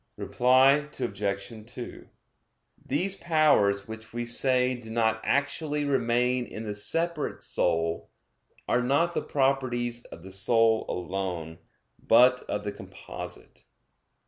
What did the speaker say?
Reply Obj. 2: These powers, which we say do not actually remain in the separate soul, are not the properties of the soul alone, but of the composite.